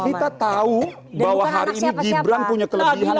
kita tahu bahwa hari ini gibran punya kelebihan